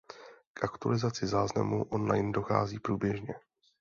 K aktualizaci záznamů online dochází průběžně.